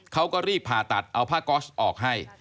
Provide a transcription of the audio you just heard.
เขาก็รีบผ่าตัดเอาผ้าก๊อสออกให้